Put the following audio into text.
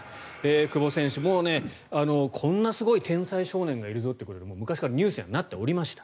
久保選手はこんなすごい天才少年がいるぞということで、昔からニュースにはなっておりました。